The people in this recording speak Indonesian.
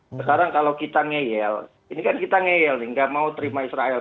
sekarang kalau kita ngeyel ini kan kita ngeyel nih gak mau terima israel